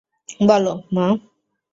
বল, মা।